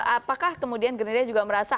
apakah kemudian gerindra juga merasa